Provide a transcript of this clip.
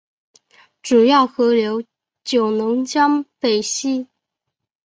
主要河流九龙江北溪。